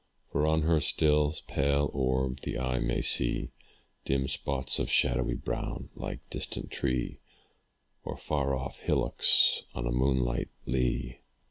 For on her still, pale orb, the eye may see Dim spots of shadowy brown, like distant tree Or far off hillocks on a moonlight lea.